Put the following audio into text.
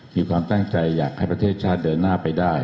มีความตั้งใจอยากให้ประเทศชาติเดินหน้าไปได้